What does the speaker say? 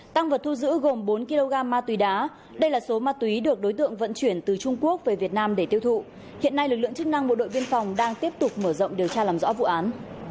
tăng vật thu giữ gồm bốn kg ma túy đá đây là số ma túy được đối tượng vận chuyển từ trung quốc về việt nam để tiêu thụ hiện nay lực lượng chức năng bộ đội biên phòng đang tiếp tục mở rộng điều tra làm rõ vụ án